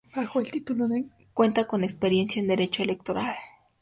Cuenta con experiencia en derecho electoral.